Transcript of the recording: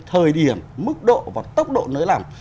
thời điểm mức độ và tốc độ nới lỏng